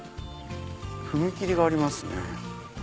踏切がありますね。